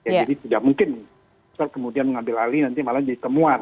jadi tidak mungkin besar kemudian mengambil alih nanti malah ditemuan